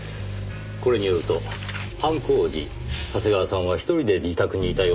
これによると犯行時長谷川さんは一人で自宅にいたようですねぇ。